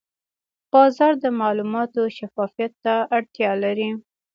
بازار د معلوماتو شفافیت ته اړتیا لري.